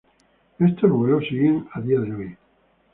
Estos vuelos siguen a día de hoy.